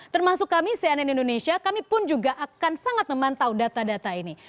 termasuk kami cnn indonesia kami pun juga akan sangat memantau data data ini